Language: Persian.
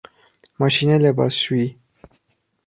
ماشین لباسشویی